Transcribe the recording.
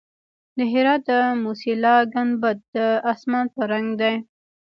د هرات د موسیلا ګنبد د اسمان په رنګ دی